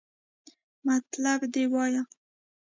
مطلب دې وایا!